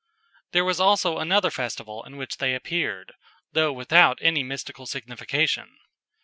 There was also another festival in which they appeared, though without any mystical signification.